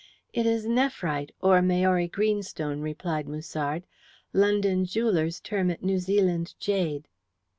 "It is nephrite, or Maori greenstone," replied Musard. "London jewellers term it New Zealand jade."